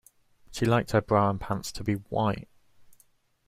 She liked her bra and pants to be white